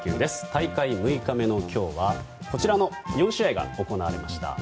大会６日目の今日はこちらの４試合が行われました。